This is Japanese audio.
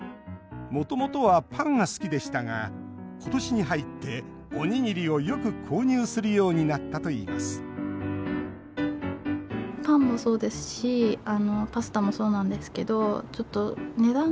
もともとはパンが好きでしたが今年に入って、おにぎりをよく購入するようになったといいます麻生さんの外食予算は１日５００円。